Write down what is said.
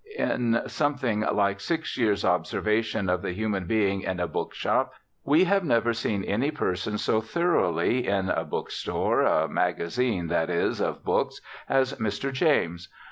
In something like six years' observation of the human being in a book shop, we have never seen any person so thoroughly in a book store, a magazine, that is, of books, as Mr. James.